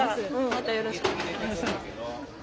またよろしくお願いします。